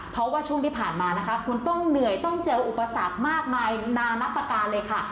เพราะว่าช่วงที่ผ่านมานะคะคุณต้องเหนื่อยต้องเจออุปสรรคมากมายนานับประการเลยค่ะ